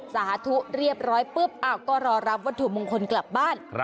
สาธุเรียบร้อยปุ๊บก็รอรับวัตถุมงคลกลับบ้าน